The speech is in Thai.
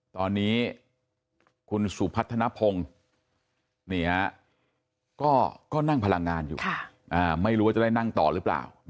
ตอนนี้สุพัฒนภงก็ในกระทรวงแรงงานไม่รู้จะได้นั่งต่อหรือเปล่า